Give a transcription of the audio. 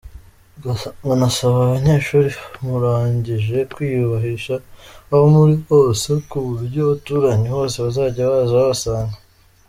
Nkanasaba abanyeshuri murangije kwiyubahisha aho muri hose, ku buryo abaturanyi bose bazajya baza babasanga”.